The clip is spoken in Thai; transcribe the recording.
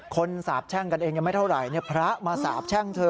สาบแช่งกันเองยังไม่เท่าไหร่พระมาสาบแช่งเธอ